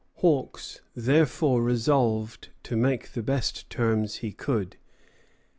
Hawks therefore resolved to make the best terms he could.